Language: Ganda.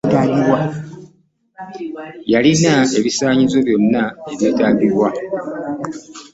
Yalina ebisaanyizo byonna ebyeetagibwa.